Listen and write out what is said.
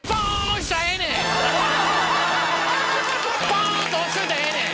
ポーンと押しといたらええねん！